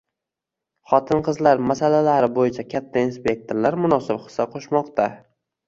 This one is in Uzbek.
Xotin-qizlar masalalari bo'yicha katta inspektorlar munosib hissa qo'shmoqda